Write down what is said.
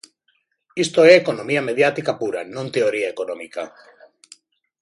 Isto é economía mediática pura, non teoría económica.